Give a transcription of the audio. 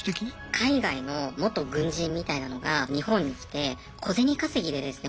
海外の元軍人みたいなのが日本に来て小銭稼ぎでですね